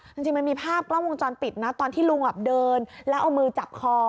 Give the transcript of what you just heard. จริงมันมีภาพกล้องวงจรปิดนะตอนที่ลุงเดินแล้วเอามือจับคอ